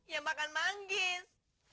ya makan manggis